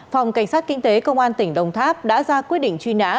phòng cảnh sát kinh tế công an tỉnh đồng tháp đã ra quyết định truy nã